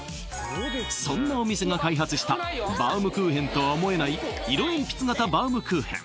そんなお店が開発したバウムクーヘンとは思えない色えんぴつ型バウムクーヘン